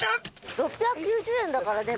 ６９０円だからね。